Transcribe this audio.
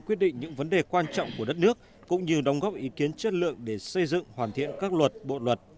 quyết định những vấn đề quan trọng của đất nước cũng như đóng góp ý kiến chất lượng để xây dựng hoàn thiện các luật bộ luật